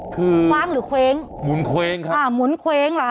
คือคว้างหรือเคว้งหมุนเคว้งค่ะหมุนเว้งเหรอ